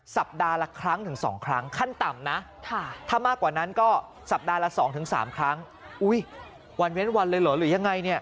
สัปดาห์ละครั้งถึงสองครั้งขั้นต่ำนะ